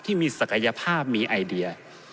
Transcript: ที่มีศักยภาพมีไอเดีย